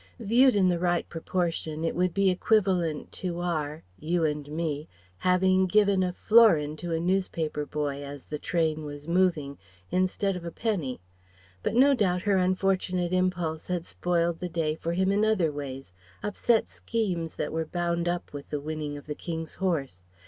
Viewed in the right proportion it would be equivalent to our you and me having given a florin to a newspaper boy as the train was moving, instead of a penny. But no doubt her unfortunate impulse had spoiled the day for him in other ways, upset schemes that were bound up with the winning of the King's horse.